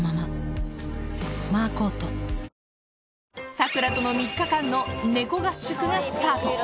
サクラとの３日間の猫合宿がスタート。